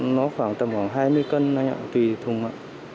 nó khoảng tầm khoảng hai mươi cân anh ạ tùy thùng ạ